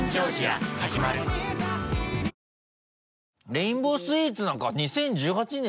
レインボースイーツなんか２０１８年